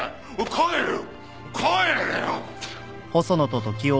帰れよ！